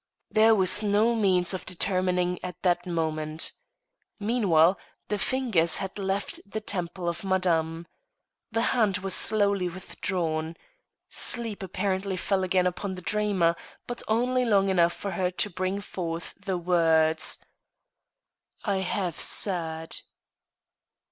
There was no means of determining at that moment. Meanwhile, the fingers had left the temple of Madame. The hand was slowly withdrawn. Sleep apparently fell again upon the dreamer, but only long enough for her to bring forth the words: "I have said."